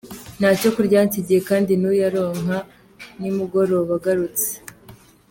Nta cyo kurya yansigiye kandi n’uyu aronka nimugoroba agarutse.”